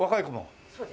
そうです。